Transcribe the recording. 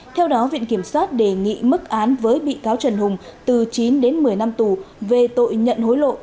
theo đó viện kiểm soát đề nghị mức án với bị cáo trần hùng từ chín đến một mươi năm tù về tội nhận hối lộ